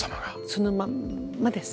そのまんまです。